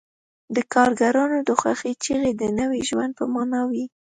د کارګرانو د خوښۍ چیغې د نوي ژوند په مانا وې